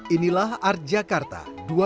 inilah art jakarta dua ribu dua puluh